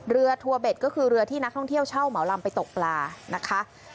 ทัวเบ็ดก็คือเรือที่นักท่องเที่ยวเช่าเหมาลำไปตกปลานะคะ